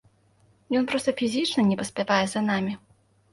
Ён проста фізічна не паспявае за намі.